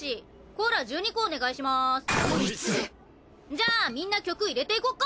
じゃあみんな曲入れていこっか！